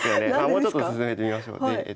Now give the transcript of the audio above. もうちょっと進めてみましょう。